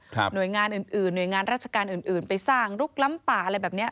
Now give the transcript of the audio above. หน่วยงานอื่นหน่วยงานราชการอื่นไปสร้างลุกล้ำป่าอะไรแบบนี้